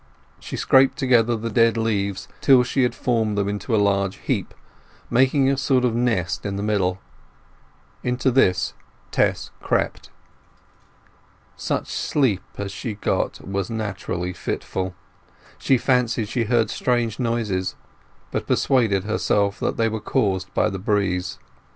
She scraped together the dead leaves till she had formed them into a large heap, making a sort of nest in the middle. Into this Tess crept. Such sleep as she got was naturally fitful; she fancied she heard strange noises, but persuaded herself that they were caused by the breeze.